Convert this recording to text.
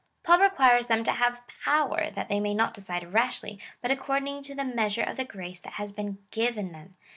Paul requires them to have power, that they may not decide rashly, but according to the measure of the grace that has been given them.